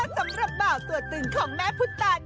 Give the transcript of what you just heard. สำหรับบ่าวตัวตึงของแม่พุทธตัน